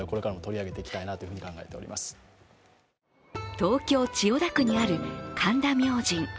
東京・千代田区にある神田明神。